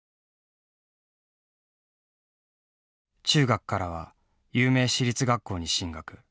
中学からは有名私立学校に進学。